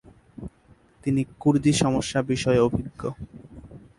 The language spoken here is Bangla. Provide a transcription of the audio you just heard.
তিনি 'কুর্দি সমস্যা' বিষয়ে অভিজ্ঞ।